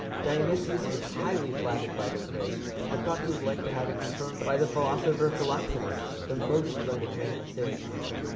Dionysius was highly flattered by their praise, but thought he would like to have it confirmed by the philosopher Phi lox´e nus, the most learned man of Syracuse.